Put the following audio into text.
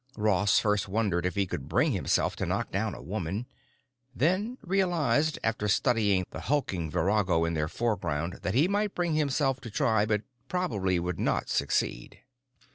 Ross first wondered if he could bring himself to knock down a woman; then realized after studying the hulking virago in their foreground that he might bring himself to try but probably would not succeed.